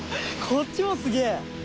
こっちもすげえ。